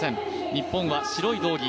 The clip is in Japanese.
日本は白い道着。